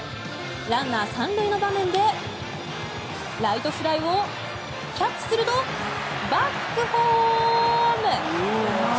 ランナー３塁の場面でライトフライをキャッチするとバックホーム。